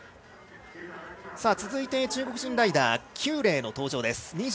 続いて、中国人ライダー邱冷の登場です。